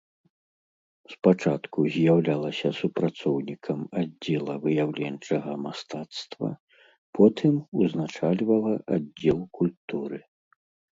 Спачатку з'яўлялася супрацоўнікам аддзела выяўленчага мастацтва, потым узначальвала аддзел культуры.